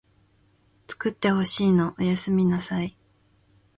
つくってほしいのおやすみなさい